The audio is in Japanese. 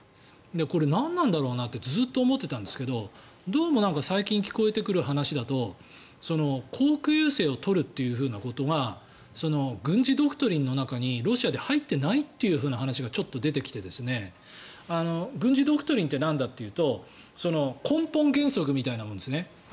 これ何なんだろうなってずっと思ってたんですけどどうも最近聞こえてくる話だと航空優勢を取るということが軍事ドクトリンの中でロシアの中で入っていないという話がちょっと出てきて軍事ドクトリンってなんだというと根本原則みたいなものですね。